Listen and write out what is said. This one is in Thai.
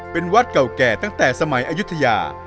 เป็นวัดเก่าแก่ตั้งแต่สมัยอายุทยา